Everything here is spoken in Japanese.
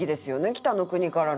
『北の国から』の。